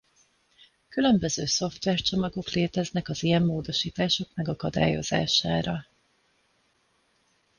Különböző szoftvercsomagok léteznek az ilyen módosítások megakadályozására.